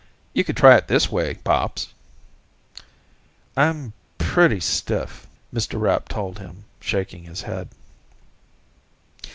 "You could try it this way, Pops." "I'm pretty stiff," Mr. Rapp told him, shaking his head.